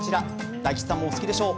大吉さんもお好きでしょう。